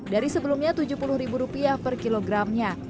dari sebelumnya rp tujuh puluh per kilogramnya